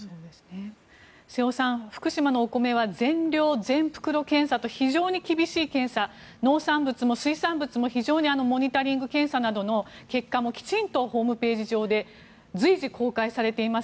瀬尾さん、福島のお米は全量・全袋検査と非常に厳しい検査農産物も水産物もモニタリング検査などの結果もきちんとホームページ上で随時、公開されています。